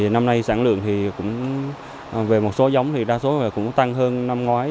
năm nay sản lượng cũng về một số giống thì đa số cũng tăng hơn năm ngoái